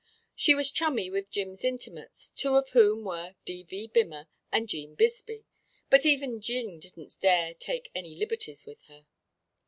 She was chummy with Jim's intimates, two of whom were D.V. Bimmer and 'Gene Bisbee, but even 'Gene didn't dare take any liberties with her.